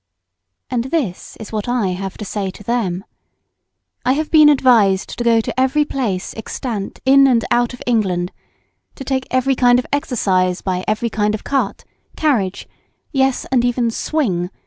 And this is what I have to say to them. I have been advised to go to every place extant in and out of England to take every kind of exercise by every kind of cart, carriage yes, and even swing